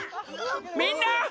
みんな！